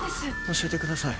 教えてください。